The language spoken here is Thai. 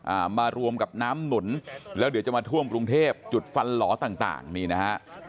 มารวมกับน้ำหนุนแล้วเดี๋ยวจะมาท่วมกรุงเทพจุดฟันหล่อต่างต่างนี่นะฮะ